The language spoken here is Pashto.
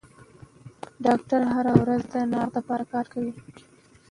ډاکټران هره ورځ د ناروغ لپاره کار کوي.